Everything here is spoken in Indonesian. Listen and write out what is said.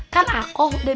kan aku udah